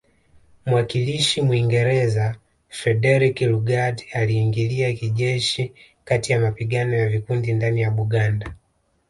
Mwakilishi Mwingereza Frederick Lugard aliingilia kijeshi kati ya mapigano ya vikundi ndani ya Buganda